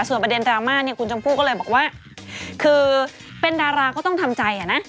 ส่วนประเด็นดราม่าเนี่ยคุณชมพู่ก็เลยบอกว่าคือเป็นดาราก็ต้องทำใจอ่ะนะ